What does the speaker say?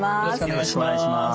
よろしくお願いします。